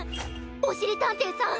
おしりたんていさん